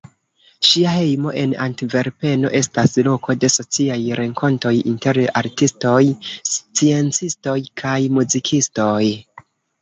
Ŝia hejmo en Antverpeno estas loko de sociaj renkontoj inter artistoj, sciencistoj kaj muzikistoj.